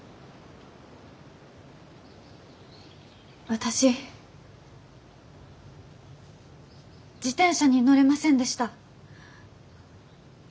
私自転車に乗れませんでした。